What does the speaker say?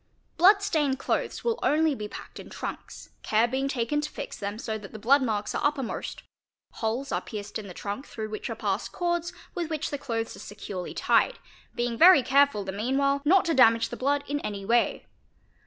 Blood stained clothes will only be packed in trunks, care being taken to fix them so that the blood marks are uppermost; holes are pierced in the trunk through which are passed cords with which the clothes are securely tied, being very careful the meanwhile not to damage the blood in any way.